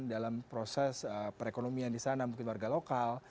dalam proses perekonomian di sana mungkin warga lokal